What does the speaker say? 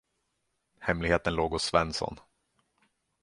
Hemligheten låg hos Svensson.